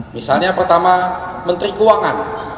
misalnya pertama menteri keuangan